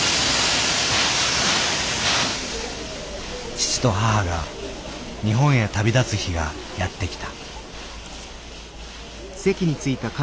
父と母が日本へ旅立つ日がやって来たうん。